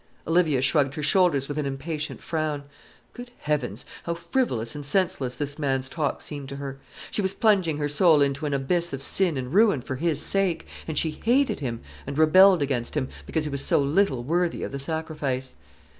Olivia shrugged her shoulders with an impatient frown. Good heavens! how frivolous and senseless this man's talk seemed to her! She was plunging her soul into an abyss of sin and ruin for his sake; and she hated him, and rebelled against him, because he was so little worthy of the sacrifice.